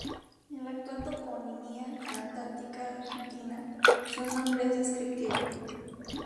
En la actual toponimia antártica argentina, su nombre es descriptivo.